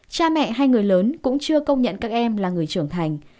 cha mẹ hay người lớn cũng chưa công nhận các em là người trưởng thành